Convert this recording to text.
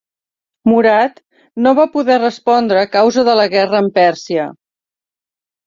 Murat no va poder respondre a causa de la guerra amb Pèrsia.